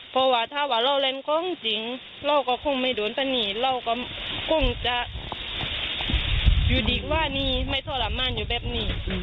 เพราะว่าถ้าว่าเราเล่นของจริงเราก็คงไม่โดนฟันหนีเราก็คงจะอยู่ดีว่านี่ไม่ทรมานอยู่แบบนี้